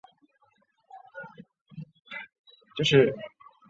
学院拥有校本部。